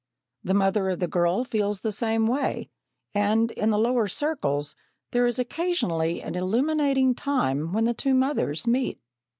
The mother of the girl feels the same way, and, in the lower circles, there is occasionally an illuminating time when the two mothers meet.